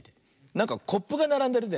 なんかコップがならんでるね。